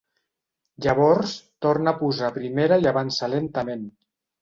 Llavors torna a posar primera i avança lentament.